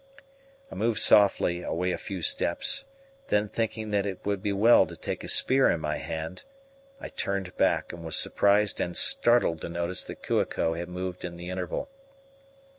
I moved softly away a few steps, then thinking that it would be well to take a spear in my hand, I turned back, and was surprised and startled to notice that Kua ko had moved in the interval.